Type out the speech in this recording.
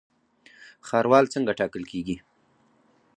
ښاروال څنګه ټاکل کیږي؟